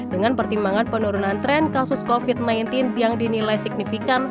dengan pertimbangan penurunan tren kasus covid sembilan belas yang dinilai signifikan